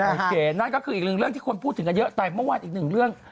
นั่นก็คืออีกหนึ่งเรื่องที่คนพูดถึงกันเยอะไปเมื่อวานอีกหนึ่งเรื่อง